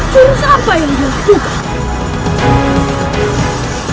jurus apa yang dilakukan